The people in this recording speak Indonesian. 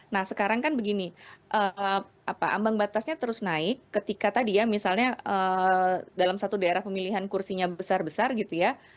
nah sekarang kan begini ambang batasnya terus naik ketika tadi ya misalnya dalam satu daerah pemilihan kursinya besar besar gitu ya